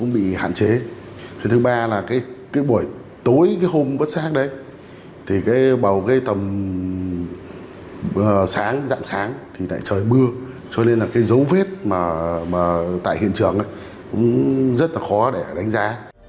nhưng sáng dặn sáng thì lại trời mưa cho nên là cái dấu vết mà tại hiện trường cũng rất là khó để đánh giá